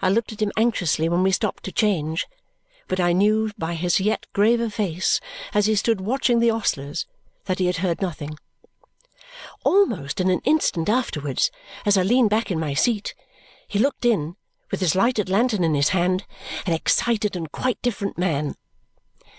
I looked at him anxiously when we stopped to change, but I knew by his yet graver face as he stood watching the ostlers that he had heard nothing. Almost in an instant afterwards, as I leaned back in my seat, he looked in, with his lighted lantern in his hand, an excited and quite different man.